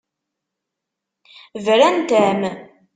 Brant-am.